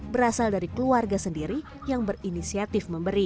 berasal dari keluarga sendiri yang berindikasi